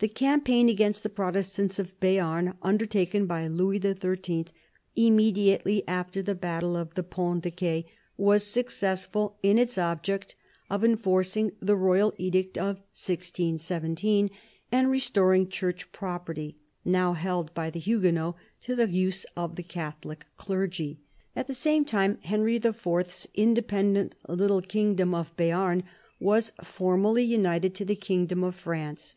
The campaign against the Protestants of Beam, under taken by Louis XIII. immediately after the battle of the Ponts de Ce, was successful in its object of enforcing the royal edict of 1617 and restoring Church property, now held by the Huguenots, to the use of the Catholic clergy. At the same time, Henry IV.'s independent little kingdom of Beam was formally united to the kingdom of France.